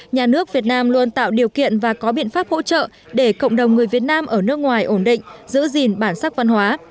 nhà nước việt nam luôn tạo điều kiện và có biện pháp hỗ trợ để cộng đồng người việt nam ở nước ngoài ổn định giữ gìn bản sắc văn hóa